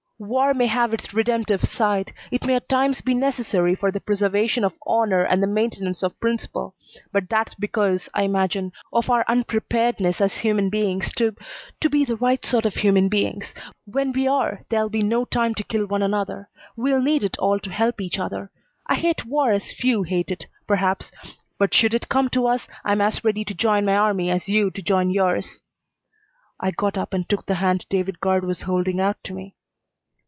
"War may have its redemptive side; it may at times be necessary for the preservation of honor and the maintenance of principle, but that's because, I imagine, of our unpreparedness as human beings to to be the right sort of human beings. When we are there'll be no time to kill one another. We'll need it all to help each other. I hate war as few hate it, perhaps, but should it come to us I'm as ready to join my army as you to join yours." I got up and took the hand David Guard was holding out to me.